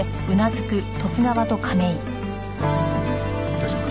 大丈夫か？